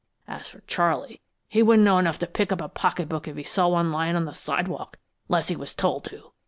As for Charley, he wouldn't know enough to pick up a pocket book if he saw one lyin' on the sidewalk, unless he was told to!"